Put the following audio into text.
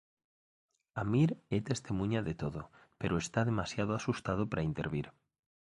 Amir é testemuña de todo pero está demasiado asustado para intervir.